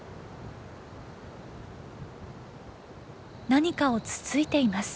何かをつついています。